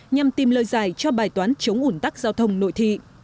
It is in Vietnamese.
nhằm tìm lời giải cho bài toán chống ủn tắc giao thông nội thị